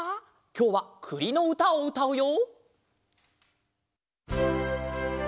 きょうはくりのうたをうたうよ。